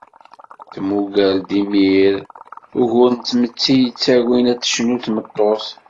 Tmugger-d imir ugur n tmetti, yettagin ad tecnu tmeṭṭut.